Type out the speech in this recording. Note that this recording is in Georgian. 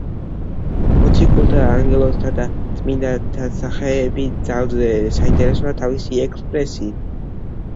მოციქულთა, ანგელოზთა და წმინდანთა სახეები ძალზე საინტერესოა თავისი ექსპრესიით.